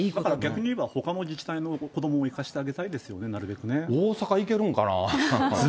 逆に言えば、ほかの自治体の子どもも行かしてあげたいですよね、大阪行けるんかな。